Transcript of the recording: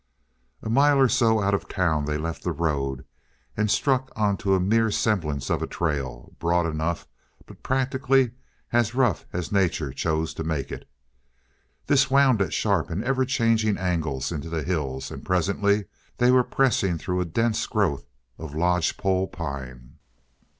A mile or so out of the town they left the road and struck onto a mere semblance of a trail, broad enough, but practically as rough as nature chose to make it. This wound at sharp and ever changing angles into the hills, and presently they were pressing through a dense growth of lodgepole pine.